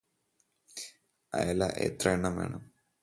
അയല എത്രയെണ്ണം വേണം?